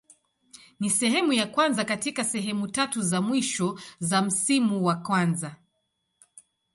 Ni sehemu ya kwanza katika sehemu tatu za mwisho za msimu wa kwanza.